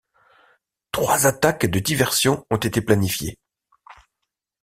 Trois attaques de diversion ont été planifiées.